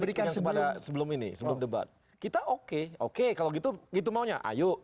kisih kisih pertanyaan yang sebelum ini sebelum debat kita oke oke kalau gitu maunya ayo